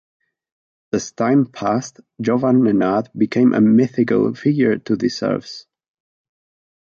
As time passed, Jovan Nenad became a mythical figure to the Serbs.